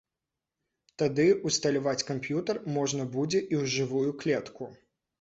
Тады ўсталяваць камп'ютар можна будзе і ў жывую клетку.